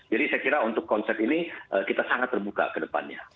jadi saya kira untuk konsep ini kita sangat terbuka ke depannya